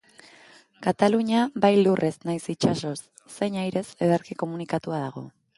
Katalunia bai lurrez, nahiz itsasoz, zein airez ederki komunikatua dago.